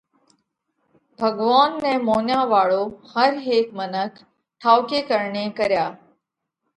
ڀڳوونَ نئہ مونيا واۯو هر هيڪ منک ٺائُوڪي ڪرڻي ڪريا